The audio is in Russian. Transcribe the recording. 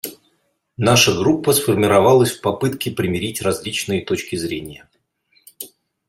Наша группа сформировалась в попытке примирить различные точки зрения.